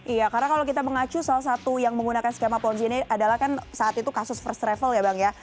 iya karena kalau kita mengacu salah satu yang menggunakan skema ponzi ini adalah kan saat itu kasus first travel ya bang ya